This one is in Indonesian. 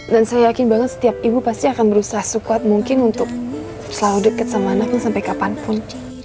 dan saya yakin banget setiap ibu pasti akan berusaha sukuat mungkin untuk selalu deket sama anaknya sampai kapanpun